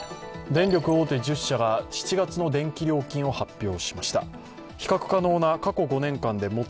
電力大手１０社は７月の電気料金を発表。